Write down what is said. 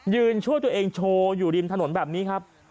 ช่วยตัวเองโชว์อยู่ริมถนนแบบนี้ครับ